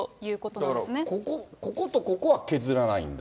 だから、こことここは削らないんだ。